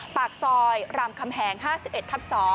ปากซอยรามคำแหง๕๑ทับ๒